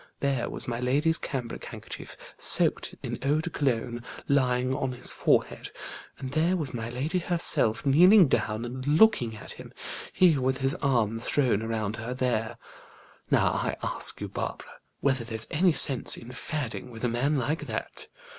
There was my lady's cambric handkerchief, soaked in eau de Cologne, lying on his forehead; and there was my lady herself, kneeling down and looking at him, he with his arm thrown around her there. Now I just ask you, Barbara, whether there's any sense in fadding with a man like that?